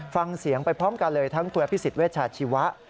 ฟังเสียงไปพร้อมกันเลยทั้งคุณอภิษฎเวชาชีวะ